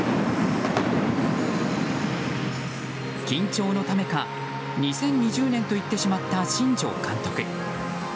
緊張のためか２０２０年と言ってしまった新庄監督。